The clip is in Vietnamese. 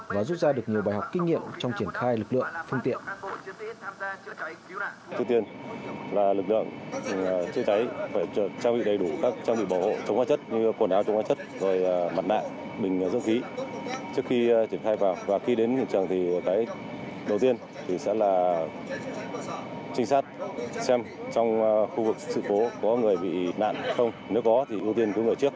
và rút ra được nhiều bài học kinh nghiệm trong triển khai lực lượng phương tiện